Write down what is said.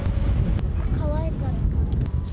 かわいかった。